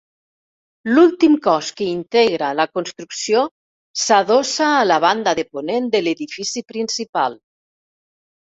L'últim cos que integra la construcció s'adossa a la banda de ponent de l'edifici principal.